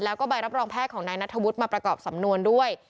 แล้วก็ใบรับรองแพทย์ของนายนัทธวุฒิมาประกอบสำนวนด้วย